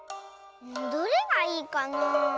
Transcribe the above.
どれがいいかな？